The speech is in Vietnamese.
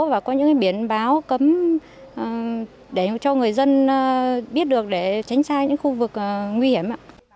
và có những biển báo cấm để cho người dân biết được để tránh xa những khu vực nguy hiểm